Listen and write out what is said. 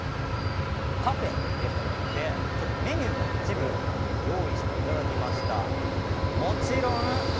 カフェですのでメニューも用意していただきました。